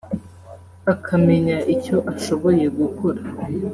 akamenya icyo ashoboye gukora